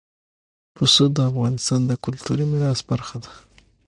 پسه د افغانستان د کلتوري میراث برخه ده.